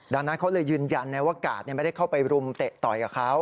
ดังนั้นเขาเลยยืนยันว่ากาดไม่ได้เข้าไปรุมเตะต่อยกับเขา